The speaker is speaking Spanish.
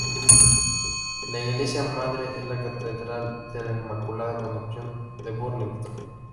La iglesia madre es la catedral de la Inmaculada Concepción en Burlington.